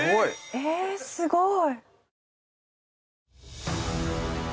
えすごい。